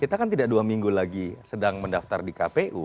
kita kan tidak dua minggu lagi sedang mendaftar di kpu